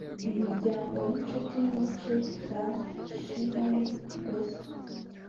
imiryango n’inshuti nyinshi za Shimon Peres